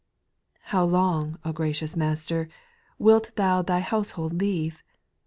2. How long, O gracious Master, Wilt Thou Thy household le.we ?